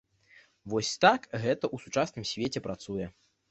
Вось так гэта ў сучасным свеце працуе.